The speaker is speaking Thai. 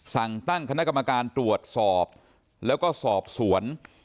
สั่งตั้งคณะกรรมการตรวจสอบแล้วก็สอบสวน